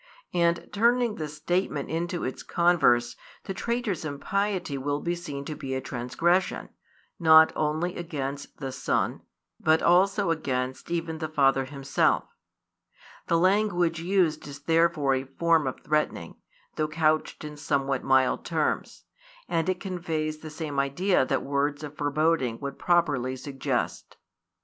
And turning the statement into its converse, the traitor's impiety will be seen to be a transgression, not only against the Son, but also against even the Father Himself. The language used is therefore a form of threatening, though couched in somewhat mild terms; and it conveys the same idea that words of foreboding would properly suggest.